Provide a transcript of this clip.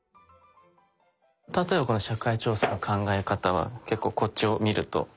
例えばこの「社会調査の考え方」は結構こっちを見るともう付箋ですね。